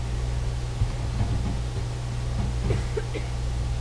Objekt se snaží zachránit Občanské sdružení za záchranu Zámečku Pardubice.